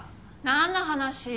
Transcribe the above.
何の話？